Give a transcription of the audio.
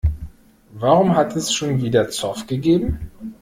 Warum hat es schon wieder Zoff gegeben?